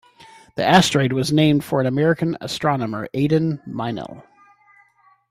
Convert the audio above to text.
The asteroid was named for American astronomer Aden Meinel.